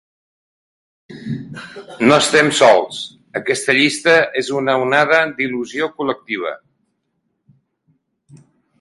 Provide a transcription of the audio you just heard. No estem sols: aquesta llista és una onada d’il·lusió col·lectiva.